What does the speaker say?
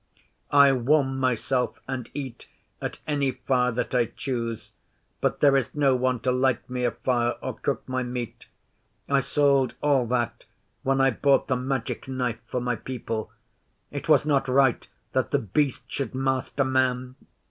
'I warm myself and eat at any fire that I choose, but there is no one to light me a fire or cook my meat. I sold all that when I bought the Magic Knife for my people. It was not right that The Beast should master man.